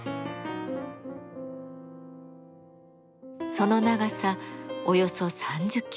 その長さおよそ３０キロメートル。